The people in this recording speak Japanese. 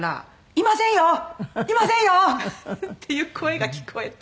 いませんよ！」っていう声が聞こえて。